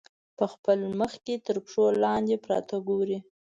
په خپل مخ کې تر پښو لاندې پراته ګوري.